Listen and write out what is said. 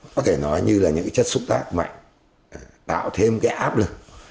có thể nói như là những chất xúc tác mạnh tạo thêm áp lực